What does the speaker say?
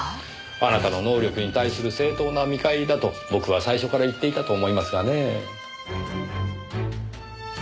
あなたの能力に対する正当な見返りだと僕は最初から言っていたと思いますがねえ。